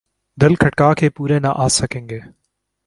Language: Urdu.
دل کھٹکا کہ پورے نہ آسکیں گے ۔